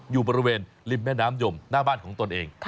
อยู่บริเวณริมแม่น้ำยมหน้าบ้านของตนเอง